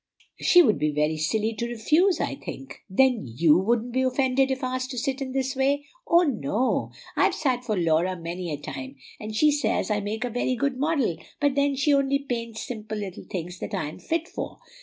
She would be very silly to refuse, I think." "Then YOU wouldn't be offended if asked to sit in this way?" "Oh, no. I've sat for Laura many a time, and she says I make a very good model. But then, she only paints simple little things that I am fit for."